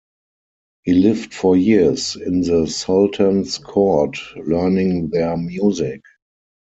He lived for years in the Sultan's court learning their music.